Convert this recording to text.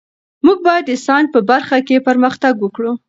موږ باید د ساینس په برخه کې پرمختګ وکړو.